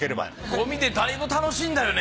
ゴミでだいぶ楽しんだよね。